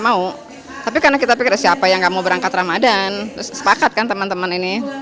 mau tapi karena kita pikir siapa yang kamu berangkat ramadan sepakat kan teman teman ini